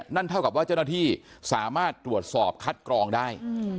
นั่นเท่ากับว่าเจ้าหน้าที่สามารถตรวจสอบคัดกรองได้